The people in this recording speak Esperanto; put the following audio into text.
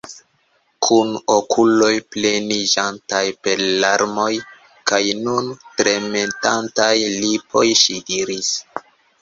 Kun okuloj pleniĝantaj per larmoj kaj kun tremetantaj lipoj ŝi diris: